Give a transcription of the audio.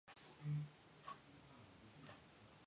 Tannenbaum distinguished two different types of deviancy.